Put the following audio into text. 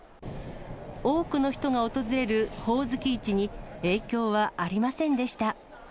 多くの人が訪れるほおずき市に影響はありませんでした。